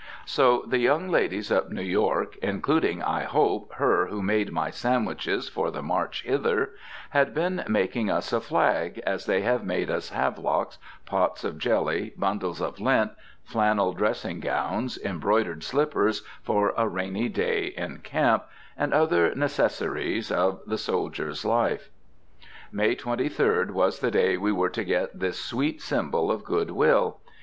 So the young ladies of New York including, I hope, her who made my sandwiches for the march hither had been making us a flag, as they have made us havelocks, pots of jelly, bundles of lint, flannel dressing gowns, embroidered slippers for a rainy day in camp, and other necessaries of the soldier's life. May 23d was the day we were to get this sweet symbol of good will.